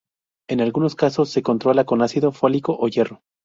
En algunos casos se controla con ácido fólico o hierro.